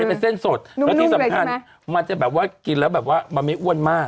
เป็นเส้นสดแล้วที่สำคัญมันจะแบบว่ากินแล้วแบบว่ามันไม่อ้วนมาก